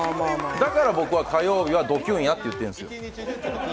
だから僕は火曜日はドキュンやと言ってるんですよ。